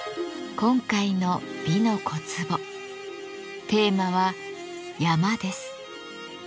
今回の「美の小壺」テーマは「山」です。